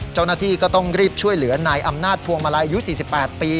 เจ้าหน้าที่ก็ต้องรีบช่วยเหลือนายอำนาจพวงมาลัยอายุ๔๘ปี